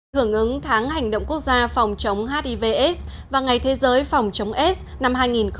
thưởng ứng tháng hành động quốc gia phòng chống hiv aids và ngày thế giới phòng chống aids năm hai nghìn một mươi tám